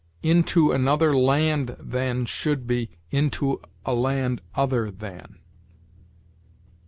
"Into another land than"; should be, "into a land other than."